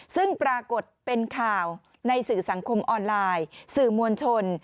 ซึ่งปรากฏเป็นข่าวในสื่อสังคมออนไลน์สื่อมวลชน